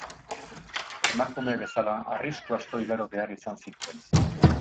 Emakume bezala, arrisku asko igaro behar izan zituen.